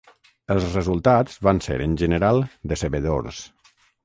Els resultats van ser, en general, decebedors.